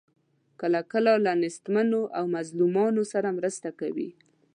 کله کله له نیستمنو او مظلومانو سره مرسته کوي.